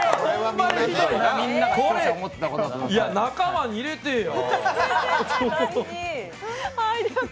仲間に入れてーや。